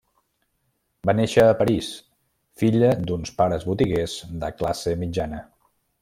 Va néixer a París, filla d'uns pares botiguers de classe mitjana.